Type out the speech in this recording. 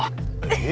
え？